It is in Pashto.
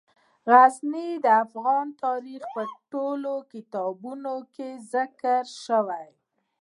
غزني د افغان تاریخ په ټولو کتابونو کې ذکر شوی دی.